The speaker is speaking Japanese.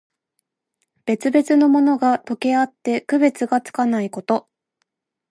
別々のものが、とけあって区別がつかないこと。